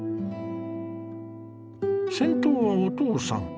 先頭はお父さん。